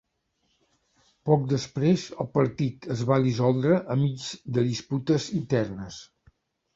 Poc després el partit es va dissoldre enmig de disputes internes.